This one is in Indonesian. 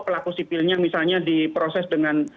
pelaku sipilnya misalnya diproses dengan